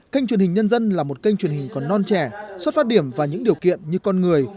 kênh truyền hình nhân dân là một kênh truyền hình còn non trẻ xuất phát điểm và những điều kiện như con người